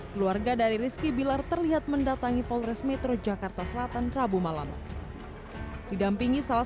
keluarga dari rizky bilar terlihat mendatangi polres metro jakarta selatan rabu malam didampingi salah